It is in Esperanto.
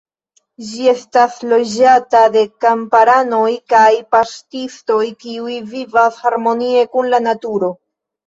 Ĝi estas loĝata de kamparanoj kaj paŝtistoj kiuj vivas harmonie kun la naturo.